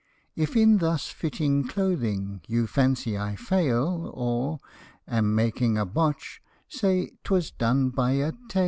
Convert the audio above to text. If in thus fitting clothing you fancy I fail, or Am making a botch say 'twas done by a tailor.